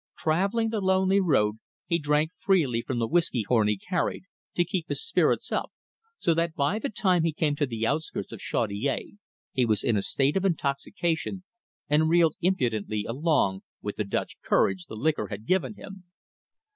Travelling the lonely road, he drank freely from the whiskey horn he carried, to keep his spirits up, so that by the time he came to the outskirts of Chaudiere he was in a state of intoxication, and reeled impudently along with the "Dutch courage" the liquor had given him.